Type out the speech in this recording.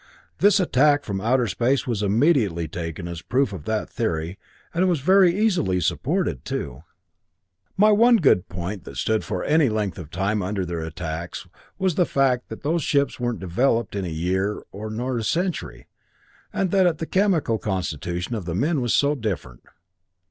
"This attack from outer space was immediately taken as proof of that theory, and it was very easily supported, too. My one good point that stood for any length of time under their attacks was the fact that those ships weren't developed in a year, nor a century, and that the chemical constitution of the men was so different.